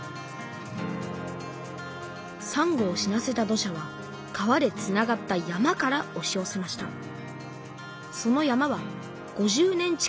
さんごを死なせた土砂は川でつながった山からおしよせました。